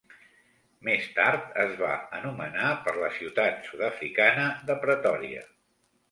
Més tard es va anomenar per la ciutat sud-africana de Pretòria.